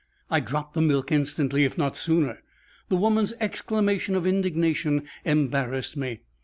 I dropped the milk instantly, if not sooner. The woman's exclamation of indignation embarrassed me.